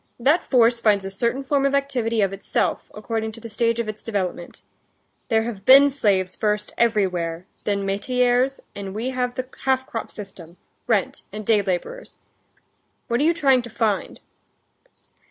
That force finds a certain form of activity of itself, according to the stage of its development. There have been slaves first everywhere, then metayers; and we have the half crop system, rent, and day laborers. What are you trying to find?"